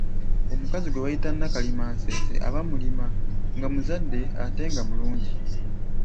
Omukazi gwe bayita Nakalima nseese aba mulima, nga muzadde ate nga mulungi.